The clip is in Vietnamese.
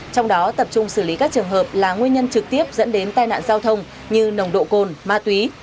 trong đó tập trung xử lý các trường hợp là nguyên nhân trực tiếp dẫn đến tai nạn giao thông như nồng độ cồn ma túy